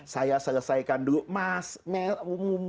saya selesaikan dulu